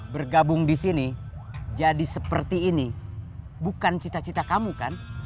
bergabung di sini jadi seperti ini bukan cita cita kamu kan